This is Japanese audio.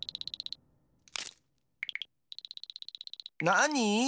なに？